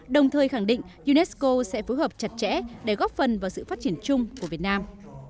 đồng thời khẳng định unesco sẽ phối hợp chặt chẽ để góp phần vào sự phát triển chung của việt nam